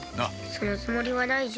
そのつもりはないじょ。